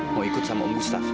mau ikut sama om busta